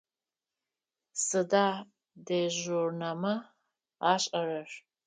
Сыда дежурнэмэ ашӏэрэр?